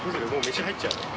飯入っちゃう？